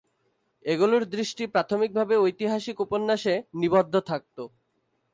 এগুলির দৃষ্টি প্রাথমিকভাবে ঐতিহাসিক উপন্যাসে নিবদ্ধ থাকত।